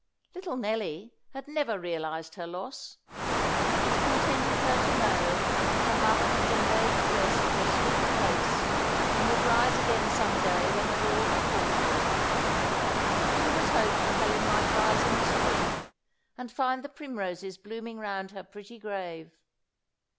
Little Nelly had never realized her loss. It contented her to know that her mother had been laid to rest in a sweet place, and would rise again some day when the Lord called her. She always hoped that Helen might rise in the spring, and find the primroses blooming round her pretty grave.